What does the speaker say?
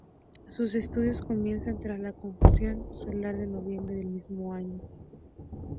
Sus estudios comienzan tras la conjunción solar de noviembre del mismo año.